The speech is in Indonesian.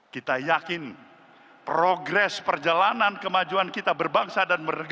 kita yakin progres perjalanan kemajuan kita berbangsa dan merdeka